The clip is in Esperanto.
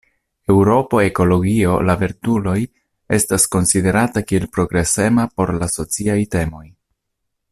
Eŭropo Ekologio La Verduloj estas konsiderata kiel progresema por la sociaj temoj.